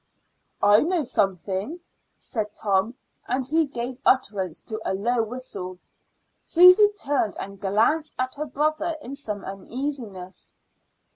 "I know something," said Tom, and he gave utterance to a low whistle. Susy turned and glanced at her brother in some uneasiness.